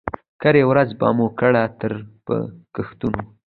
کرۍ ورځ به مو کړه تېره په ګښتونو